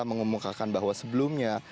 mengumumkakan bahwa sebelumnya